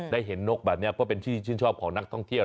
ได้เห็นนกแบบนี้เพราะเป็นที่ชื่นชอบของนักท่องเที่ยว